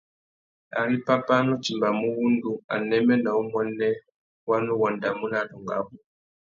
Ari pápá a nu timbamú wŭndú, anêmê nà umuênê wa nu wandamú nà adôngô abú.